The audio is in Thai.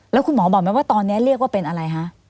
แล้วคุณหมอบอกไหมว่าตอนนี้เรียกว่าเป็นอะไรคะ